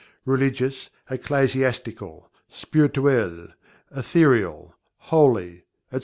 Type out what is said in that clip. "religious; ecclesiastical; spiritual; ethereal; holy," etc.